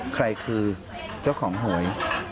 ใครคือเจ้าของหวย